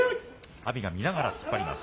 阿炎が見ながら突っ張ります。